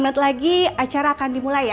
empat puluh lima menit lagi acara akan dimulai ya